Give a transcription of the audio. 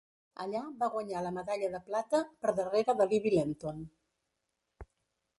Allà va guanyar la medalla de plata, per darrere de Libby Lenton.